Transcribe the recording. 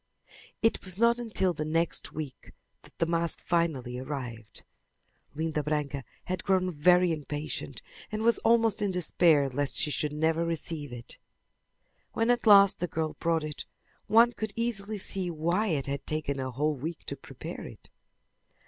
It was not until the next week that the mask finally arrived. Linda Branca had grown very impatient and was almost in despair lest she should never receive it. When at last the girl brought it one could easily see why it had taken a whole week to prepare it.